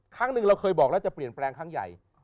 ครั้งหนึ่งเราเคยบอกแล้วจะเปลี่ยนแปลงครั้งใหญ่